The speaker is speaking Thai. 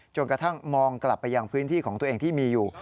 จนกระทั่งมองกลับไปยังพื้นที่ของตัวเองที่มีอยู่